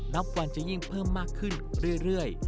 นับวันจะยิ่งเพิ่มมากขึ้นเรื่อย